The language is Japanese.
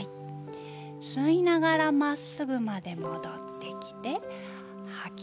吸いながらまっすぐに戻ってきてください。